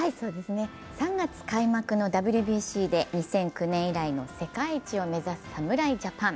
３月開幕のＷＢＣで２００９年以来の世界一を目指す侍ジャパン。